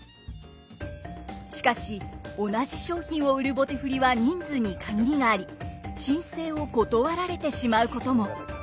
しかし同じ商品を売る棒手振は人数に限りがあり申請を断られてしまうことも。